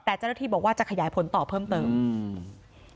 แต่เจ้าหน้าที่บอกว่าจะขยายผลต่อเพิ่มเติมอืม